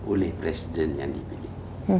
oleh presiden yang dipilih